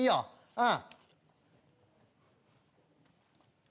うん。